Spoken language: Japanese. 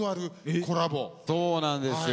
そうなんですよ。